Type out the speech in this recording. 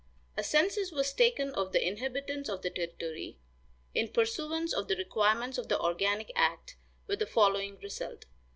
A census was taken of the inhabitants of the territory, in pursuance of the requirements of the organic act, with the following result.